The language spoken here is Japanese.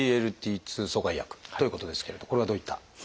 「ＳＧＬＴ２阻害薬」ということですけれどこれはどういった？